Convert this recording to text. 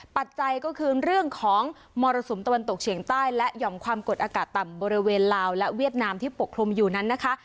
ปัจจัยก็คือเรื่องของมรสุมตะวันตกเฉียงใต้และหย่อมความกดอากาศต่ำบริเวณลาวและเวียดนามที่ปกคลุมอยู่นั้นนะคะ